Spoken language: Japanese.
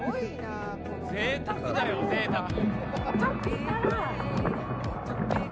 ぜいたくだよぜいたく！